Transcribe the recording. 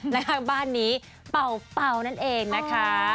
ข้างบ้านนี้เป่านั่นเองนะคะ